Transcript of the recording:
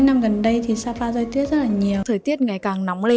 năm này là năm tuổi tuổi sinh hoạt đúng đó